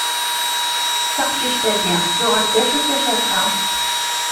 Taqcict-agi tuɣal d acu-tt a Cabḥa?